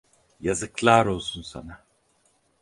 Yazıklar olsun sana!